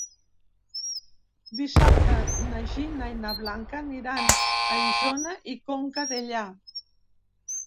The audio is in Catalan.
Dissabte na Gina i na Blanca aniran a Isona i Conca Dellà.